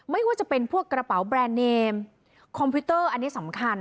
ไม่ว่าจะเป็นพวกกระเป๋าแบรนด์เนมคอมพิวเตอร์อันนี้สำคัญ